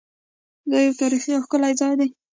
دا یو تاریخي او ښکلی ځای دی.